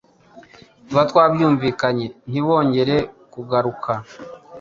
tuba twabyumvikanye ntibongera kugaruka